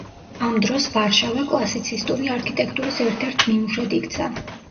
ამ დროს ვარშავა კლასიცისტური არქიტექტურის ერთ-ერთ ნიმუშად იქცა.